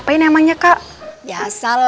saya mau ke kantor